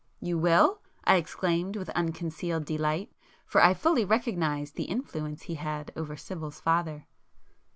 "You will?" I exclaimed with unconcealed delight, for I fully recognised the influence he had over Sibyl's father.